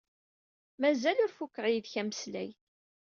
Mazal ur fukkeɣ yid-k ameslay.